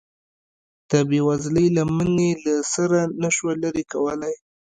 د بې وزلۍ لمن یې له سره نشوه لرې کولی.